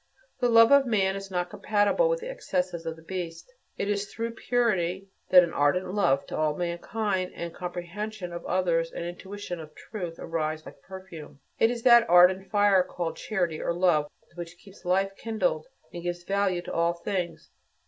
The love of man is not compatible with the excesses of the beast. It is through purity that an ardent love to all mankind, and comprehension of others, and intuition of truth, arise like a perfume. It is that ardent fire called charity or love, which keeps life kindled, and gives value to all things.